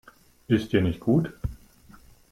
Ist dir nicht gut?